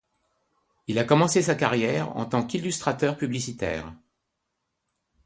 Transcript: Il a commencé sa carrière en tant qu'illustrateur publicitaire.